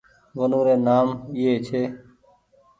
ونوري نآم ايئي ڇي